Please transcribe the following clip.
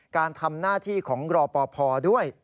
การทำหน้าที่ของรอปภด้วย